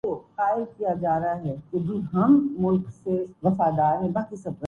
سرفراز Asia cup میں عمدہ کارکردگی اور ٹائٹل جیتنے کیلئے پرعزم